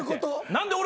何で俺。